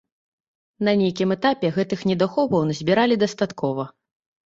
На нейкім этапе гэтых недахопаў назбіралі дастаткова.